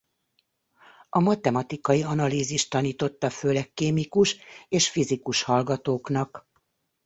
A matematikai analízist tanította főleg kémikus és fizikus hallgatóknak.